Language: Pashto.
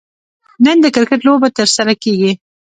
نن د کرکټ لوبه ترسره کیږي